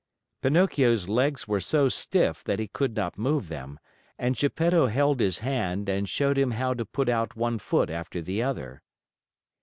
Pinocchio's legs were so stiff that he could not move them, and Geppetto held his hand and showed him how to put out one foot after the other.